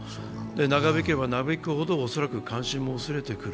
長引けば長引くほど恐らく関心も薄れてくる。